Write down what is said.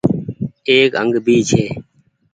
ايڪ انگ ڀي ڇي۔